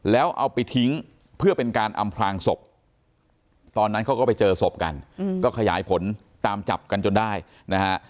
แล้วเอาไปทิ้งเพื่อเป็นการอำพลางศพตอนนั้นเขาก็ไปเจอศพกันก็ขยายผลตามจับกันจนได้นะฮะ